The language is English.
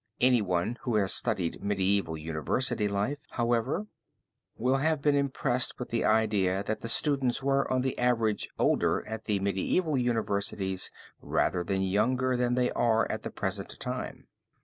Anyone who has studied medieval university life, however, will have been impressed with the idea, that the students were on the average older at the medieval universities rather than younger than they are at the present time.